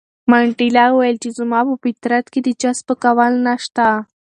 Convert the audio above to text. منډېلا وویل چې زما په فطرت کې د چا سپکول نشته.